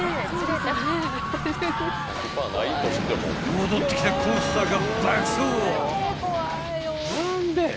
［戻ってきたコースターが］